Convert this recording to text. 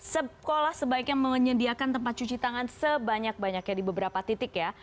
sekolah sebaiknya menyediakan tempat cuci tangan sebanyak banyaknya di beberapa titik ya